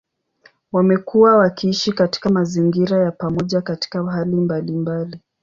Wamekuwa wakiishi katika mazingira ya pamoja katika hali mbalimbali.